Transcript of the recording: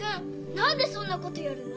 なんでそんなことやるの！？